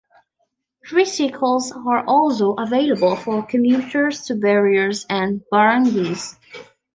Trycicles are also available for commuters to barrios and barangays.